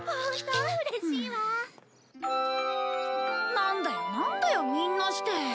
なんだよなんだよみんなして。